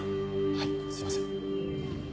はいすいません。